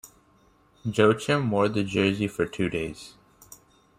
Joachim wore the jersey for two days.